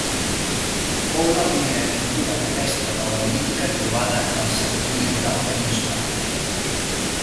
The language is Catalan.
Fou la primera pintura rupestre paleolítica trobada en el sector oriental peninsular.